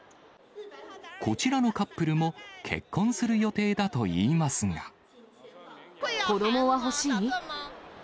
こちらのカップルも、結婚す子どもは欲しい？